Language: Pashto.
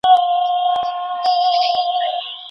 کوم توليدات چي په هېواد کي کېږي هغه ملي عايد لوړوي.